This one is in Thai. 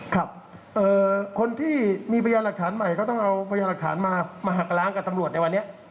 ครับคนที่มีพยานหลักฐานใหม่ก็ต้องเอาพยานหลักฐานมามาหักล้างกับตำรวจในวันนี้